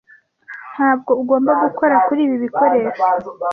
Ntabwo ugomba gukora kuri ibi bikoresho.